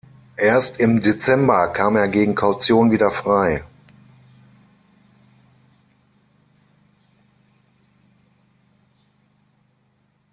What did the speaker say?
Erst im Dezember kam er gegen Kaution wieder frei.